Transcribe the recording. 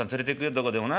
どこでもな」。